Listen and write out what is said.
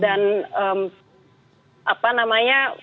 dan apa namanya